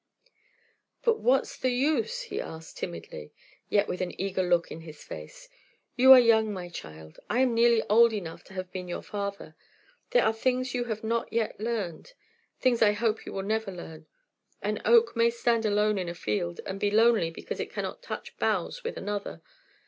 "But what is the use?" he asked, timidly, yet with an eager look in his face. "You are young, my child; I am nearly old enough to have been your father. There are things you have not yet learned; things I hope you will never learn. An oak may stand alone in a field, and be lonely because it cannot touch boughs with another.